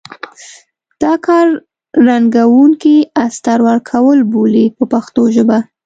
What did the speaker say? دا کار رنګوونکي استر ورکول بولي په پښتو ژبه.